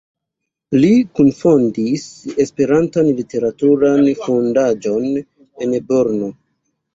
Li kunfondis Esperantan Literaturan Fondaĵon en Brno.